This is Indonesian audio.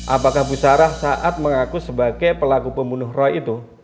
apakah pusara saat mengaku sebagai pelaku pembunuh roy itu